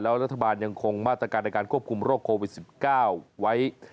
แล้วรัฐบาลยังคงมาตรการในการควบคุมโรคโควิด๑๙ไว้